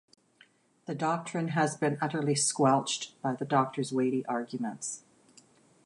The doctrine has been utterly squelched by the Doctor's weighty arguments.